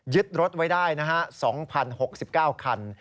ยึดรถไว้ได้๒๐๖๙คัน